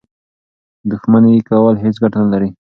دښمني کول هېڅ ګټه نه لري.